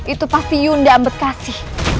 itu pasti yunda bekasi